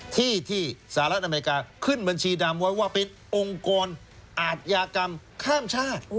ที่ที่สหรัฐอเมริกาขึ้นบัญชีดำไว้ว่าเป็นองค์กรอาทยากรรมข้ามชาติ